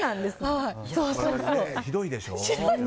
ひどいでしょ？